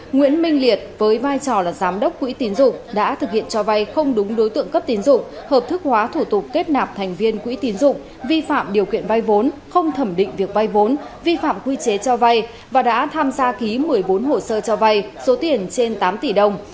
nguyễn minh liệt với vai trò là giám đốc quỹ tín dụng đã thực hiện cho vay không đúng đối tượng cấp tín dụng hợp thức hóa thủ tục kết nạp thành viên quỹ tín dụng vi phạm điều kiện vay vốn không thẩm định việc vay vốn vi phạm quy chế cho vay và đã tham gia ký một mươi bốn hồ sơ cho vay số tiền trên tám tỷ đồng